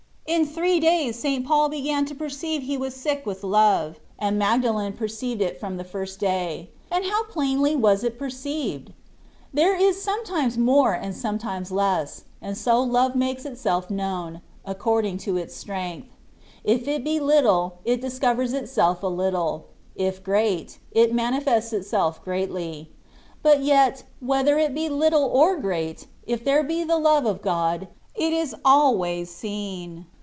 In three days St, Paul began to perceive he was sick with love, and Magdalen perceived it from the first day. And how plainly was it perceived ! There is sometimes more and sometimes less ; and so love makes itself known, according to its strength : if it be little, it discovers itself a little; if great, it manifests itself greatly : but yet, whether it be little or great, if there be the love of God, it is always seen.